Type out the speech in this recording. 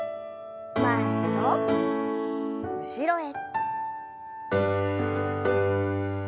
前と後ろへ。